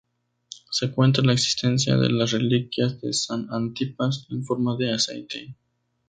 Se cuenta la existencia de las reliquias de San Antipas en forma de aceite.